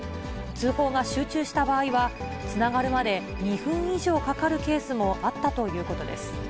通報が集中した場合は、つながるまで２分以上かかるケースもあったということです。